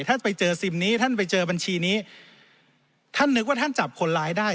ท่านไปเจอซิมนี้ท่านไปเจอบัญชีนี้ท่านนึกว่าท่านจับคนร้ายได้